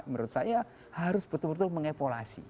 menurut saya harus betul betul mengepolasi